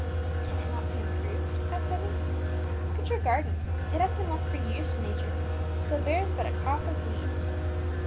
"Can it not be improved?" asked Emmie. "Look at your garden, it has been left for years to nature, so bears but a crop of weeds."